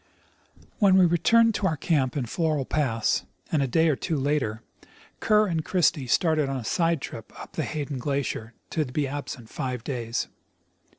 We then returned to our camp in Floral pass, and a day or tAVO later Kerr and Christie started on a side trip up the Hayden glacier, to be absent .five days.